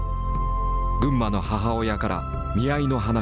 群馬の母親から見合いの話だった。